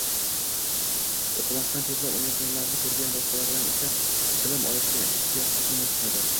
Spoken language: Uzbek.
Oʻqimasdan diplom olayotganlarni koʻrgan boshqalarda esa bilim olishga ishtiyoq butunlay soʻnadi.